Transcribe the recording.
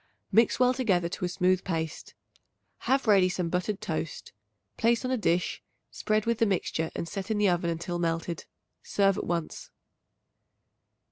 Mix well together to a smooth paste. Have ready some buttered toast; place on a dish, spread with the mixture and set in the oven until melted. Serve at once.